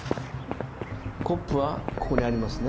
コップはここにありますね。